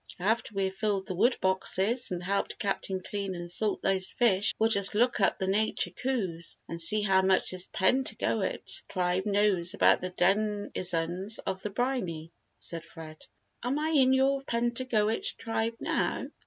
After we have filled the wood boxes and helped Captain clean and salt those fish we'll just look up the Nature Coups and see how much this Pentagoet Tribe knows about the denizens of the briny," said Fred. "Am I in your Pentagoet Tribe, now?"